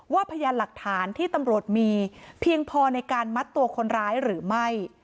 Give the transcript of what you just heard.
พยานหลักฐานที่ตำรวจมีเพียงพอในการมัดตัวคนร้ายหรือไม่